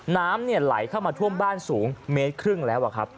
น้ำไหลเข้ามาท่วมบ้านสูงเมตรครึ่งแล้วครับ